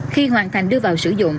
khi hoàn thành đưa vào sử dụng